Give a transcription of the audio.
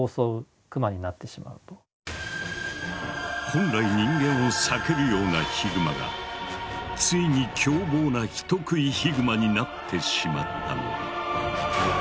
本来人間を避けるようなヒグマがついに凶暴な人食いヒグマになってしまったのだ。